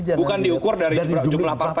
bukan diukur dari jumlah partai